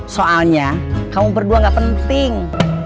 soalnya kamu berdua gak penting